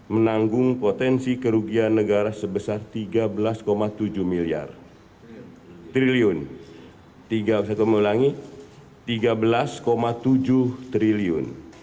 menanggung potensi kerugian negara sebesar tiga belas tujuh triliun